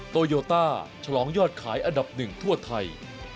โตโยต้าฉลองยอดขายอันดับหนึ่งทั่วไทย